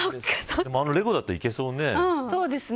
でもあのレゴだったらいけそうね。